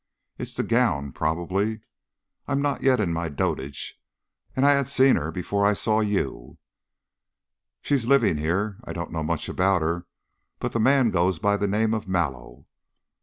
It's the gown, probably. I am not yet in my dotage, and I had seen her before I saw you." "She's living here. I don't know much about her, but the man goes by the name of Mallow."